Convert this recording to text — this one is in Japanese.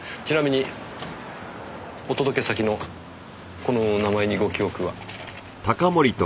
ちなみにお届け先のこのお名前にご記憶は？